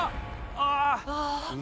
ああ！